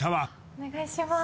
お願いします